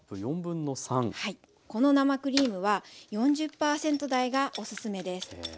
この生クリームは４０％台がおすすめです。